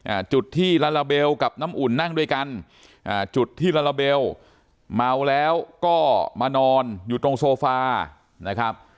อ่าจุดที่ลาลาเบลกับน้ำอุ่นนั่งด้วยกันอ่าจุดที่ลาลาเบลเมาแล้วก็มานอนอยู่ตรงโซฟานะครับ